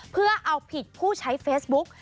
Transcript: เพื่อเอาผิดผู้ใช้เฟซบุ๊ก